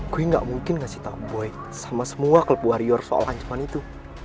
gue gak mungkin ngasih tahu boy sama semua klub warrior soal ancaman itu